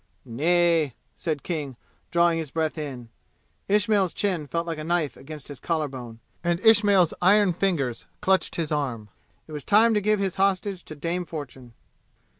"Nay," said King, drawing his breath in. Ismail's chin felt like a knife against his collar bone, and Ismail's iron fingers clutched his arm. It was time to give his hostage to dame Fortune.